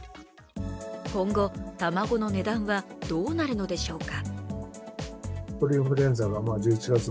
今後、卵の値段はどうなるのでしょうか。